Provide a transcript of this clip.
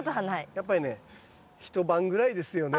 やっぱりね一晩ぐらいですよね。